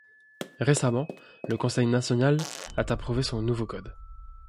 Récemment, le conseil national a approuvé son nouveau code.